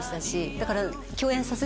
だから。